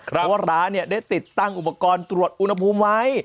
เพราะว่าร้านได้ติดตั้งอุปกรณ์ตรวจอุณหภูมิไว้